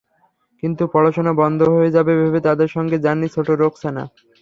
কিন্তু পড়াশোনা বন্ধ হয়ে যাবে ভেবে তাঁদের সঙ্গে যাননি ছোট্ট রোকসানা।